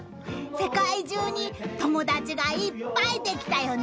世界中に友達がいっぱいできたよね］